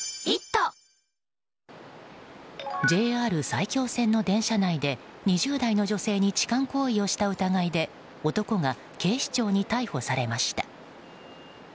ＪＲ埼京線の電車内で２０代の女性に痴漢行為をした疑いで男が警視庁に逮捕されました。